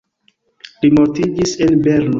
Li mortiĝis en Berno.